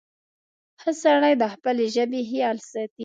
• ښه سړی د خپلې ژبې خیال ساتي.